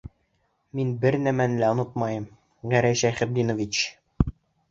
Мин бер нәмәне лә онотмайым, Гәрәй Шәйхетдинович.